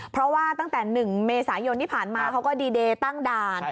เพราะว่าตั้งแต่๑เมษายนที่ผ่านมาเขาก็ดีเดย์ตั้งด่าน